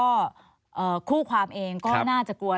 ก็คู่ความเองก็น่าจะกลัว